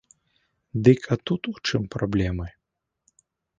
Дык а тут у чым праблемы?